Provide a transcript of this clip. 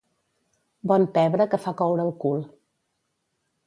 Bon pebre que fa coure el cul.